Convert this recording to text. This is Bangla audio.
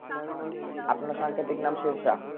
আপনার সাংকেতিক নাম শেরশাহ।